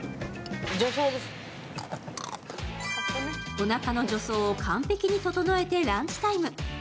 おなかの助走を完璧に整えてランチタイム。